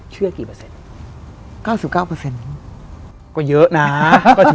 เชื่อกี่เปอร์เซ็นต์